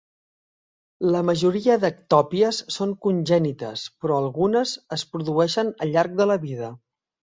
La majoria d'ectòpies són congènites, però algunes es produeixen al llarg de la vida.